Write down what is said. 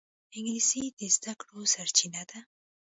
انګلیسي د زده کړو سرچینه ده